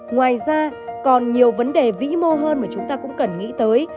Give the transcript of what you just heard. ngoài ra còn nhiều vấn đề vĩ mô hơn mà chúng ta cũng cần nghĩ tới